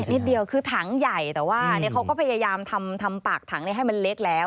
นิดเดียวคือถังใหญ่แต่ว่าเขาก็พยายามทำปากถังให้มันเล็กแล้ว